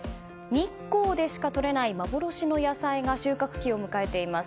日光でしかとれない幻の野菜が収穫期を迎えています。